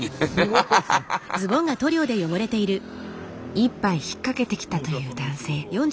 一杯引っかけてきたという男性。